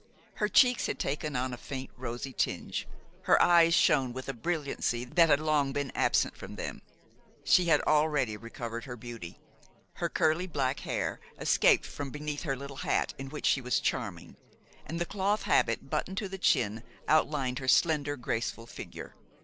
Her cheeks had taken on a faint rosy tinge, her eyes shone with a brilliancy that had long been absent from them. She had already recovered her beauty; her curly black hair escaped from beneath her little hat, in which she was charming; and the cloth habit buttoned to the chin outlined her slender, graceful figure.